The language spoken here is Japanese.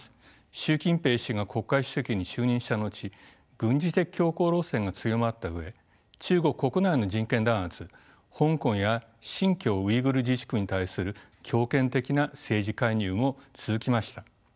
習近平氏が国家主席に就任した後軍事的強硬路線が強まった上中国国内の人権弾圧香港や新疆ウイグル自治区に対する強権的な政治介入も続きました。